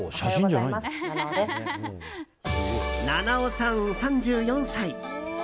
菜々緒さん、３４歳。